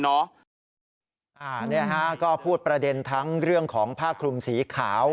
นี่ฮะก็พูดประเด็นทั้งเรื่องของผ้าคลุมสีขาว